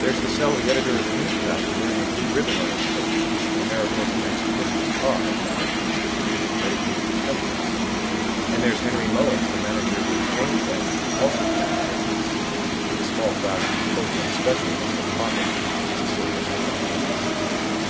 There's Hussell the editor of the Newspacket, wearing a blue ribbon on his coat, for the Mariposa Knights of Pythias are, by their constitution, dedicated to temperance; and there's Henry Mullins, the manager of the Exchange Bank, also a Knight of Pythias, with a small flask of Pogram's Special in his hip pocket as a sort of amendment to the constitution.